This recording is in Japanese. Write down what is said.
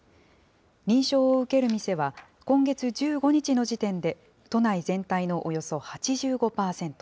認証を受ける店は、今月１５日の時点で、都内全体のおよそ８５％。